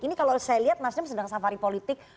ini kalau saya lihat nasdem sedang safari politik